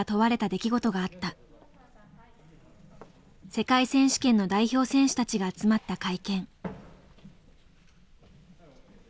世界選手権の代表選手たちが集まった会見。